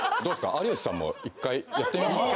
有吉さんも一回やってみますか？